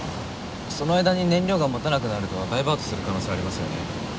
その間に燃料が持たなくなるとダイバートする可能性ありますよね。